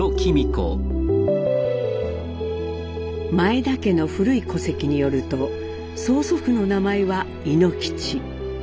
前田家の古い戸籍によると曽祖父の名前は猪吉。